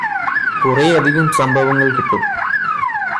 കുറേയധികം സംഭവങ്ങൾ കിട്ടും